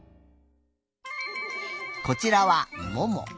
こちらはもも。